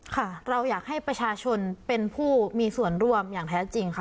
ค่ะเราอยากให้ประชาชนเป็นผู้มีส่วนร่วมอย่างแท้จริงค่ะ